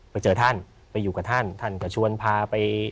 ไปเจอท่านไปอยู่กับท่านท่านก็ชวนพาไป